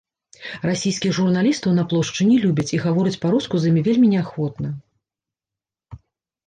Расійскіх журналістаў на плошчы не любяць, і гавораць па-руску з імі вельмі неахвотна.